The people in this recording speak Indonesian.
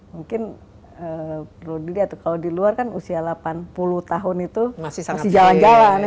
mungkin perlu dilihat kalau di luar kan usia delapan puluh tahun itu masih jalan jalan